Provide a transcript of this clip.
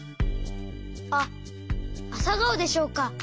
あっあさがおでしょうか。